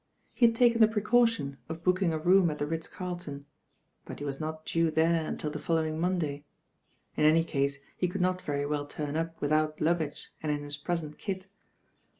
He had taken the precaution of booking a room at th? Ritz Carlton ; but he was not due there until the following Monday. In any case he could not very well turn up without luggage and in his present kit.